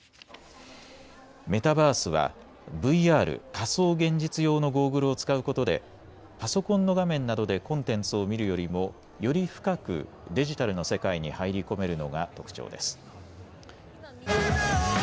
メタバースはＶＲ・仮想現実用のゴーグルを使うことでパソコンの画面などでコンテンツを見るよりもより深くデジタルの世界に入り込めるのが特徴です。